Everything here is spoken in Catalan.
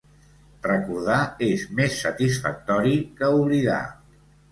Recordar és més satisfactori que oblidar.